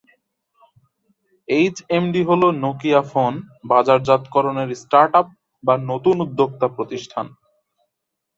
HMD হলো Nokia phone বাজারজাতকরণের startup বা নতুন উদ্যোক্তা প্রতিষ্ঠান।